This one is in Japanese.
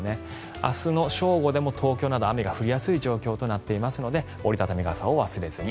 明日の正午でも東京など雨が降りやすい状況となっていますので折り畳み傘を忘れずに。